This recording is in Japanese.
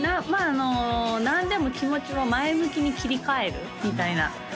あ何でも気持ちを前向きに切り替えるみたいな